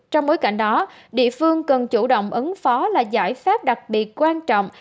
trong bối cảnh đó địa phương cần chủ động ứng phó là giải pháp đặc biệt quan trọng